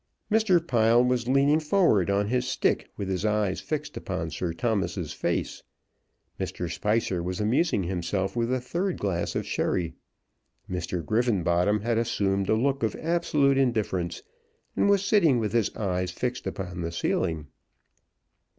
Mr. Pile was leaning forward on his stick with his eyes fixed upon Sir Thomas's face. Mr. Spicer was amusing himself with a third glass of sherry. Mr. Griffenbottom had assumed a look of absolute indifference, and was sitting with his eyes fixed upon the ceiling.